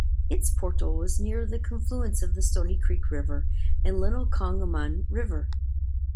Its portal was near the confluence of the Stonycreek River and Little Conemaugh River.